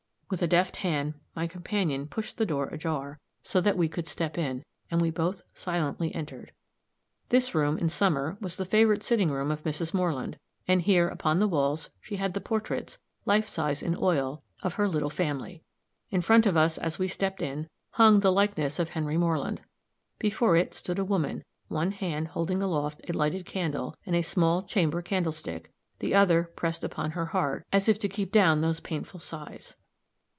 With a deft hand my companion pushed the door ajar, so that we could step in, and we both silently entered. This room, in summer, was the favorite sitting room of Mrs. Moreland; and here, upon the walls, she had the portraits, life size, in oil, of her little family. In front of us, as we stepped in, hung the likeness of Henry Moreland. Before it stood a woman, one hand holding aloft a lighted candle, in a small chamber candlestick, the other pressed upon her heart, as if to keep down those painful signs.